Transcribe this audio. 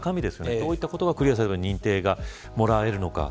どういったことをクリアすれば認定がもらえるのか。